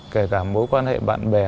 kể cả mối quan hệ bạn bè